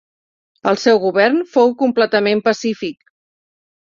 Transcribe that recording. El seu govern fou completament pacífic.